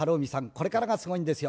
これからがすごいんですよ。